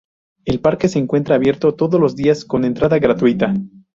El parque se encuentra abierto todos los días con entrada gratuita.